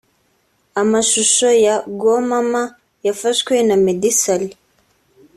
Amashusho ya Go Mama yafashwe na Meddy Saleh